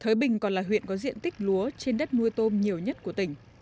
thới bình còn là huyện có diện tích lúa trên đất nuôi tôm nhiều nhất của tỉnh